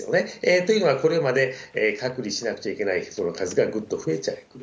というのは、これまで隔離しなくちゃいけない数がぐっと増えちゃってる。